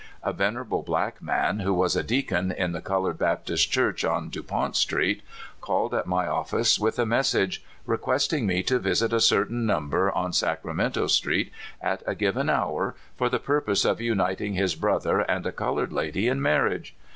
A ven erable black man, who was a deacon in the col ored Baptist Church on Dupont Street, called at my office with a message requesting me to visit a certain number on Sacramento Street at a given hour for the purpose of uniting his brother and a 3IO CALIFORNIA SKETCHES. colored lady in marriage.